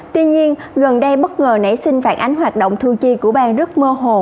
tuy nhiên gần đây bất ngờ nảy sinh phản ánh hoạt động thu chi của bang rất mơ hồ